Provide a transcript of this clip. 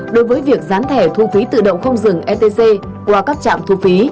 đối với việc gián thẻ thu phí tự động không dừng etc qua các trạm thu phí